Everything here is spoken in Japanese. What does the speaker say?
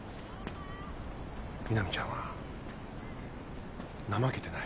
みなみちゃんは怠けてない。